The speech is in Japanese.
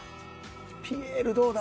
ピエールどうだ？